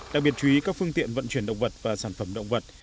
đặc biệt chú ý các phương tiện vận chuyển động vật và sản phẩm động vật